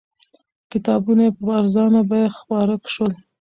کتابونه یې په ارزانه بیه خپاره شول.